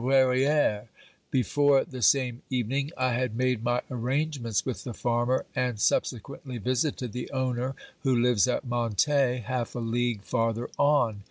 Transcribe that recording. Before the same evening, I had made my arrangements with the farmer, and subsequently visited the owner, who lives at Montey, half a league farther on.